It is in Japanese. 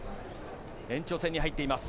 延長戦に入っています。